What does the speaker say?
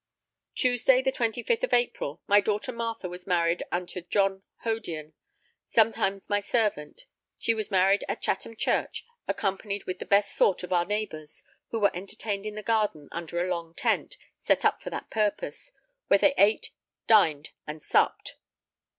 Tuesday, the 25th of April, my daughter Martha was married unto John Hodierne, sometimes my servant. She was married at Chatham Church, accompanied with the best sort of our neighbours, who were entertained in the garden under a long tent, set up for that purpose, where they ate, dined, and supped.